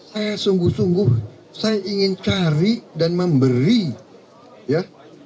saya sungguh sungguh saya ingin cari dan memberi ya